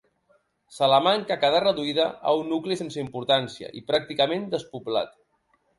Salamanca quedà reduïda a un nucli sense importància i pràcticament despoblat.